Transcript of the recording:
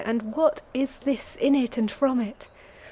and what is this in it and from it?